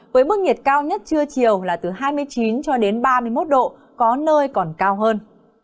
với mức nhiệt cao nhất trưa chiều là từ hai mươi chín cho đến ba mươi một độ có nơi còn cao hơn